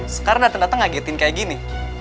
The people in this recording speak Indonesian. sekarang dateng daten ngagetin kayak gini